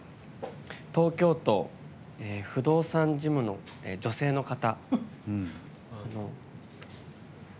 東京都、不動産事務の女性の方。